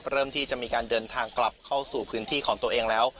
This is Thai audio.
เริ่มที่จะมีการเดินทางกลับเข้าสู่พื้นที่ของตัวเองแล้ว